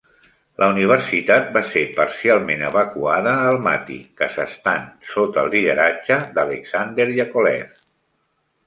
La universitat va ser parcialment evacuada a Almati, Kazakhstan, sota el lideratge d'Alexander Yakovlev.